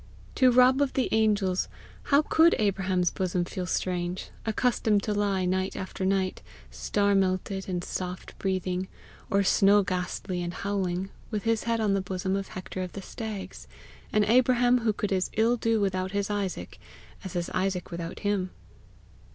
To Rob of the Angels tow could Abraham's bosom feel strange, accustomed to lie night after night, star melted and soft breathing, or snow ghastly and howling, with his head on the bosom of Hector of the Stags an Abraham who could as ill do without his Isaac, as his Isaac without him!